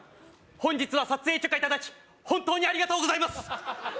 本日は撮影許可いただき本当にありがとうございます